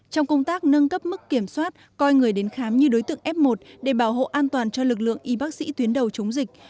trong công tác nâng cấp mức kiểm soát coi người đến khám như đối tượng f một để bảo hộ an toàn cho lực lượng y bác sĩ tuyến đầu chống dịch